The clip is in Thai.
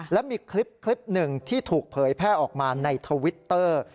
และมีคลิปหนึ่งที่ถูกเผยแพร่ออกมาในทวิตเตอร์